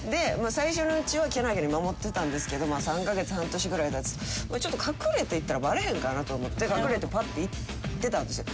最初のうちはけなげに守ってたんですけど３カ月半年ぐらい経つとちょっと隠れて行ったらバレへんかなと思って隠れてパッて行ってたんですよ。